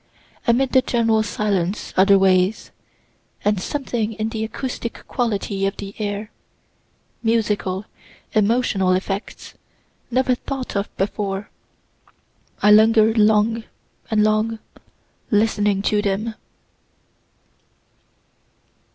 amid the general silence otherways, and something in the acoustic quality of the air, musical, emotional effects, never thought of before. I linger'd long and long, listening to them.